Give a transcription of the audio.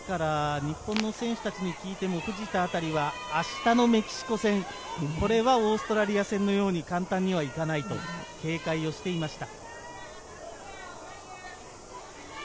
日本の選手たちに聞いても藤田あたりは、明日のメキシコ戦、これはオーストラリア戦のように簡単にはいかないと警戒していました。